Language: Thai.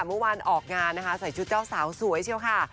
เมื่อวานออกงานใส่ชุดเจ้าสาวสวยใช่ไหม